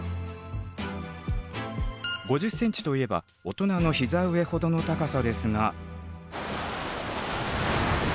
５０ｃｍといえば大人の膝上ほどの高さですが。